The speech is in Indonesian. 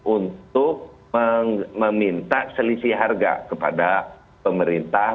untuk meminta selisih harga kepada pemerintah